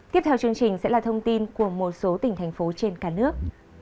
tiếp theo chương trình sẽ là thông tin của một số tỉnh thành phố trên cả nước